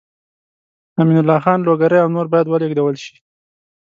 امین الله خان لوګری او نور باید ولېږدول شي.